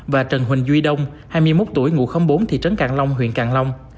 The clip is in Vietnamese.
và trần huỳnh duy đông hai mươi một tuổi ngũ bốn thị trấn càng long huyện càng long